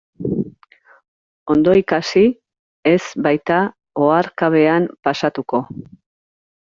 Ondo ikasi, ez baita oharkabean pasatuko.